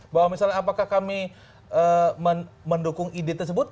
bahwa misalnya apakah kami mendukung ide tersebut